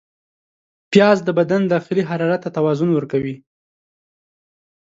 پیاز د بدن داخلي حرارت ته توازن ورکوي